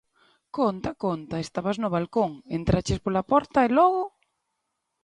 Conta, conta! Estabas no balcón, entraches pola porta e logo.